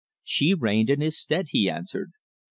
"She reigned in his stead," he answered.